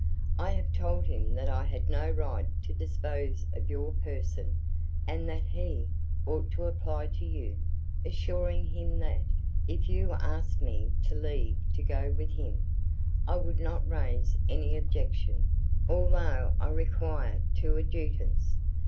I have told him that I had no right to dispose of your person, and that he ought to apply to you, assuring him that, if you asked me leave to go with him, I would not raise any objection, although I require two adjutants.